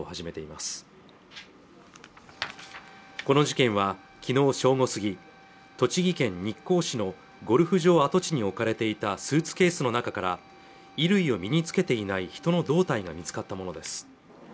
この事件はきのう正午過ぎ栃木県日光市のゴルフ場跡地に置かれていたスーツケースの中から衣類を身につけていない人の胴体が見つかったものです